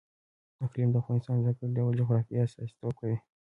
اقلیم د افغانستان د ځانګړي ډول جغرافیه استازیتوب کوي.